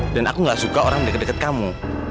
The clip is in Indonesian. dan aku gak suka orang deket deket kamu